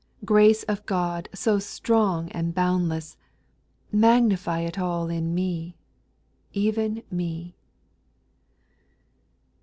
Grace of God, so strong and boundless I Magnify it all in me, — Even me.